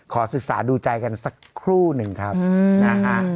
ศึกษาดูใจกันสักครู่หนึ่งครับนะฮะ